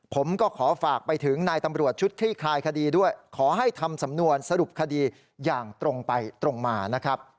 ผมก็ขอฝากไปถึงนายตำรวจชุดคลี่คลายคดีด้วยขอให้ทำสำนวนสรุปคดีอย่างตรงไปตรงมานะครับ